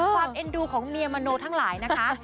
เอ็นดูของเมียมโนทั้งหลายนะคะ